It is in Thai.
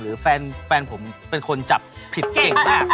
แฟนผมเป็นคนจับผิดเก่งมาก